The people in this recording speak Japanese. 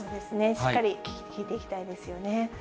しっかり聞いていきたいですよね。